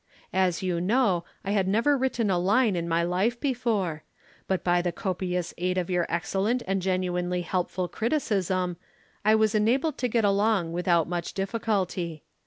As you know I had never written a line in my life before, but by the copious aid of your excellent and genuinely helpful criticism I was enabled to get along without much difficulty.